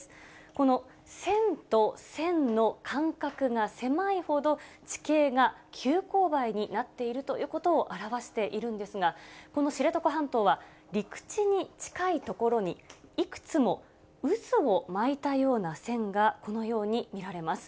この線と線の間隔が狭いほど地形が急勾配になっているということを表しているんですが、この知床半島は陸地に近い所にいくつも渦を巻いたような線が、このように見られます。